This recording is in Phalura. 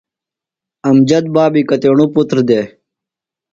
امجد بابی کتیݨوۡ پُتر دےۡ؟